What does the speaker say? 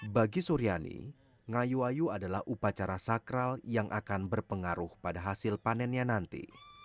bagi suryani ngayu ayu adalah upacara sakral yang akan berpengaruh pada hasil panennya nanti